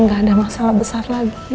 nggak ada masalah besar lagi